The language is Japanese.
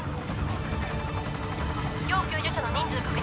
要救助者の人数確認